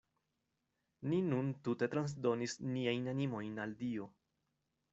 Ni nun tute transdonis niajn animojn al Dio.